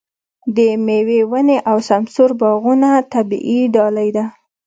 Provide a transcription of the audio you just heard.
د مېوو ونې او سمسور باغونه طبیعي ډالۍ ده.